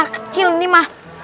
kecil nih mah